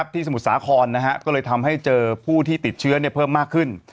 สมุทรสาครก็เลยทำให้เจอผู้ที่ติดเชื้อเพิ่มมากขึ้น